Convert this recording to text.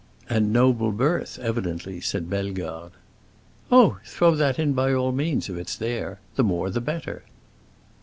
"And noble birth, evidently," said Bellegarde. "Oh, throw that in, by all means, if it's there. The more the better!"